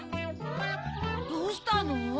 どうしたの？